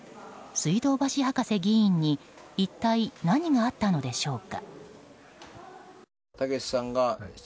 水道橋博士議員に一体何があったのでしょうか。